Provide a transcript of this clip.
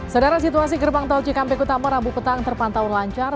saudara situasi gerbang tol cikampek utama rabu petang terpantau lancar